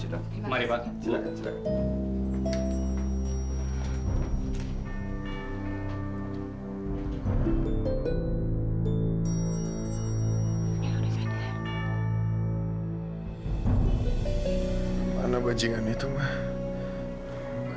terima kasih dok